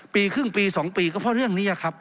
ปีครึ่งปี๒ปีก็เพราะเรื่องนี้ครับ